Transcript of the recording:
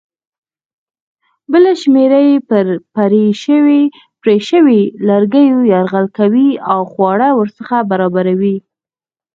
بله شمېره یې پر پرې شویو لرګیو یرغل کوي او خواړه ورڅخه برابروي.